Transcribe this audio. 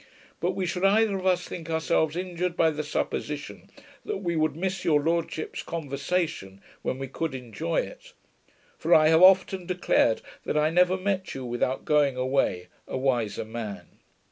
But we should either of us think ourselves injured by the supposition that we would miss your lordship's conversation, when we could enjoy it; for I have often declared that I never met you without going away a wiser man.